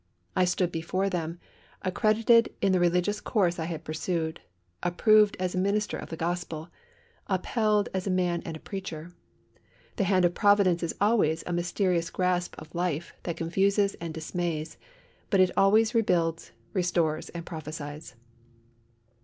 I stood before them, accredited in the religious course I had pursued, approved as a minister of the Gospel, upheld as a man and a preacher. The hand of Providence is always a mysterious grasp of life that confuses and dismays, but it always rebuilds, restores, and prophesies.